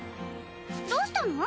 どうしたの？